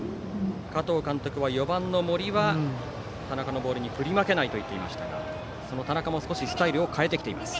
加藤監督は、４番の森は田中のボールに振り負けないといっていましたが田中も少しスタイルを変えてきています。